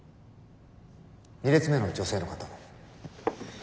２列目の女性の方。